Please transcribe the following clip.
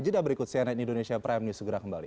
jeda berikut cnn indonesia prime news segera kembali